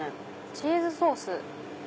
チーズソース？